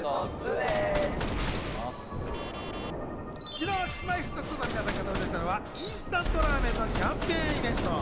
昨日、Ｋｉｓ−Ｍｙ−Ｆｔ２の皆さんが登場したのはインスタントラーメンのキャンペーンイベント。